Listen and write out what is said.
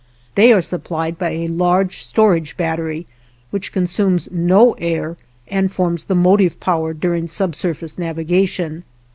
They are supplied by a large storage battery, which consumes no air and forms the motive power during subsurface navigation.